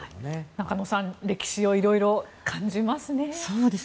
中野さん、歴史をいろいろ感じますね。